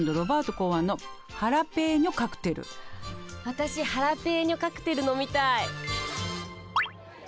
私ハラペーニョカクテル飲みたい。